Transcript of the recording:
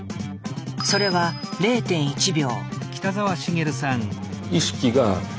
それは０．１秒。